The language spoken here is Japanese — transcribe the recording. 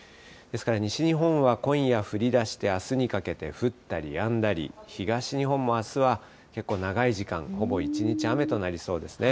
ですから、西日本は今夜降りだして、あすにかけて降ったりやんだり、東日本もあすは結構長い時間、ほぼ一日、雨となりそうですね。